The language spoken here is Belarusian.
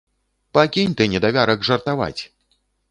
Пакінь ты, недавярак, жартаваць!